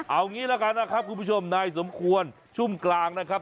เอางี้ละกันนะครับคุณผู้ชมนายสมควรชุ่มกลางนะครับ